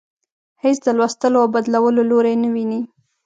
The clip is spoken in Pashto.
هیڅ د لوستلو او بدلولو لوری نه ويني.